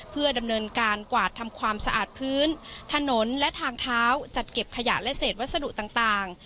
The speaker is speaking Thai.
เพื่อดำเนินการกวาดทำความสะอาดพื้นถนนและทางเท้าจัดเก็บขยะและเศษวัสดุต่าง